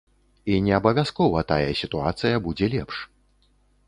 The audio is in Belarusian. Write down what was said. І не абавязкова тая сітуацыя будзе лепш.